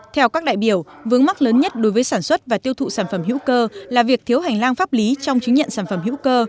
theo các đại biểu vướng mắc lớn nhất đối với sản xuất và tiêu thụ sản phẩm hữu cơ là việc thiếu hành lang pháp lý trong chứng nhận sản phẩm hữu cơ